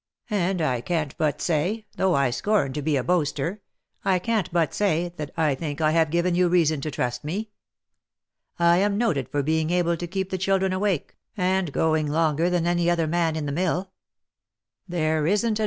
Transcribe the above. And I can't but say, though I scorn to be a boaster, — I can't but say, that I think 1 have given you reason to trust me. I am noted for being able to keep the children awake, and going longer than any other man in the mill. There isn't an .